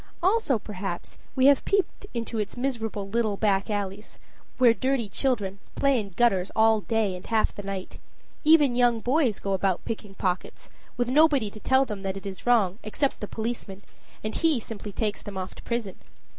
Also, perhaps, we have peeped into its miserable little back alleys, where dirty children play in gutters all day and half the night even young boys go about picking pockets, with nobody to tell them it is wrong except the policeman, and he simply takes them off to prison.